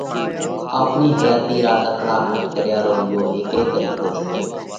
آپڻِي اِيئا حياتِي را ۮکڙا گھٽ ڪريا رو روڳو هيڪئه طريقو سئہ